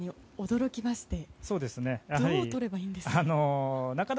どうとればいいんでしょうか。